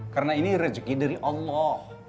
karena ini rezeki dari allah